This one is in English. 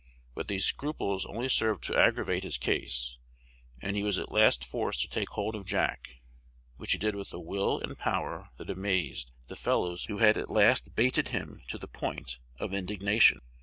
But these scruples only served to aggravate his case; and he was at last forced to take hold of Jack, which he did with a will and power that amazed the fellows who had at last baited him to the point of indignation.